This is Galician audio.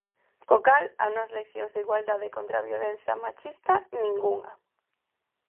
Co cal a nós leccións de igualdade e contra a violencia machista ningunha.